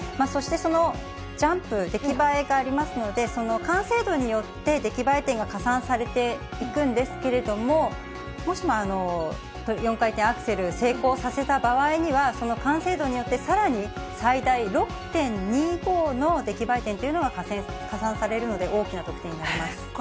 そしてそのジャンプ、出来栄えがありますので、その完成度によって、出来栄え点が加算されていくんですけれども、もしも４回転アクセル成功させた場合には、その完成度によって、さらに最大６．２５の出来栄え点というのが加算されるので、大きな得点になります。